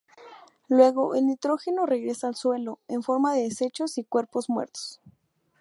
Luego, el nitrógeno regresa al suelo, en forma de desechos, y cuerpos muertos.